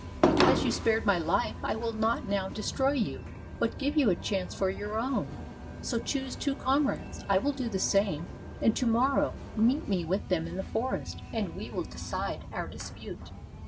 "Because you spared my life, I will not now destroy you, but give you a chance for your own. So choose two comrades; I will do the same; and to morrow meet me with them in the forest, and we will decide our dispute."